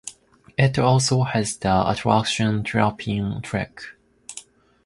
It also has the attraction Treetop Trek.